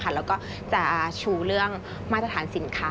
แล้วก็จะชูเรื่องมาตรฐานสินค้า